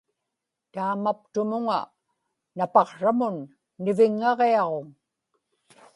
taamaptumuŋa napaqsramun niviŋŋaġiaġuŋ